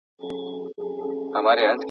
او دربار یې کړ صفا له رقیبانو.